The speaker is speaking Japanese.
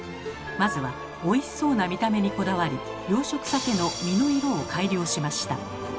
まずはおいしそうな見た目にこだわり養殖鮭の身の色を改良しました。